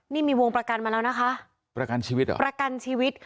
นี่มีวงประกันมาแล้วนะคะประกันชีวิต